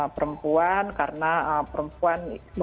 perempuan karena perempuan